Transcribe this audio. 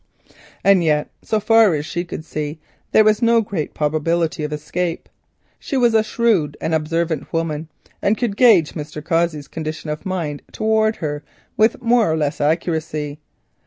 And yet so far as she could see there was no great probability of escape. A shrewd and observant woman, she could gauge Mr. Cossey's condition of mind towards herself with more or less accuracy.